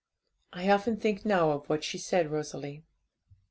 I often think now of what she said, Rosalie.